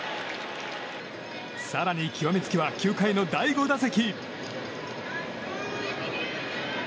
更に極め付きは９回の第５打席。